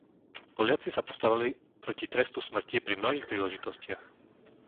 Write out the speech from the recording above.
Poliaci sa postavili proti trestu smrti pri mnohých príležitostiach.